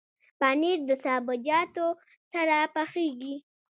پنېر د سابهجاتو سره پخېږي.